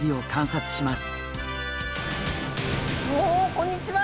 おおこんにちは。